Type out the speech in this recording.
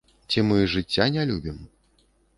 Ці мы жыцця не любім?